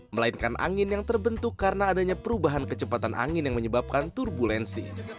melainkan angin yang terbentuk karena adanya perubahan kecepatan angin yang menyebabkan turbulensi